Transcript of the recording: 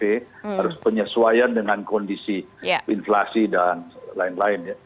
harus penyesuaian dengan kondisi inflasi dan lain lain